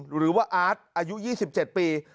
หรือว่าอาร์ตอายุ๒๗ปี